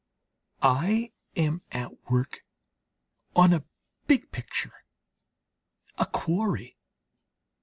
I am at work on a big picture, a quarry.